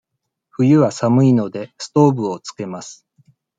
冬は寒いので、ストーブをつけます。